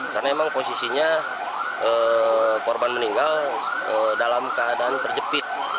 karena emang posisinya korban meninggal dalam keadaan terjepit